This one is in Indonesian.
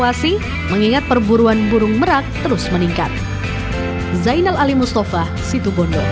tapi awasi mengingat perburuan burung merak terus meningkat